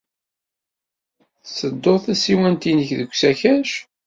Tettuḍ tasiwant-nnek deg usakac.